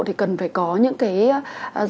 thì cần phải có những cái